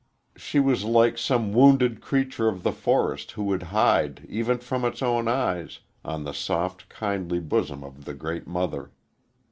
She was like some wounded creature of the forest who would hide, even from its own eyes, on the soft, kindly bosom of the great mother.